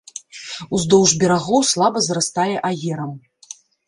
Уздоўж берагоў слаба зарастае аерам.